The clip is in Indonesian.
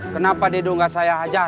kenapa didung nggak saya hajar